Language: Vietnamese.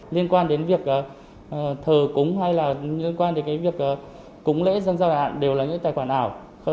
liên quan đến việc thờ cúng hay là liên quan đến việc cúng lễ dân sao giải hạn đều là những tài khoản ảo